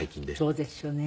そうですよね。